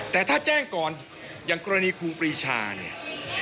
แต่ถ้าแจ้งก่อนอย่างกรณีครูปรีชาเนี่ย